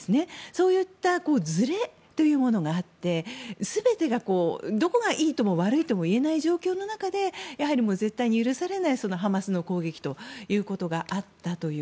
そういったずれというものがあって全てがどこがいいとも悪いともいえない状況の中で絶対に許されないハマスの攻撃ということがあったという。